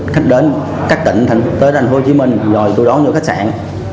khách đến các tỉnh tới thành phố hồ chí minh rồi tôi đón vào khách sạn